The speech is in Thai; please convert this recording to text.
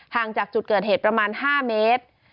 จากจุดเกิดเหตุประมาณ๕เมตร